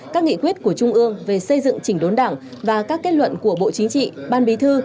các nghị quyết của trung ương về xây dựng chỉnh đốn đảng và các kết luận của bộ chính trị ban bí thư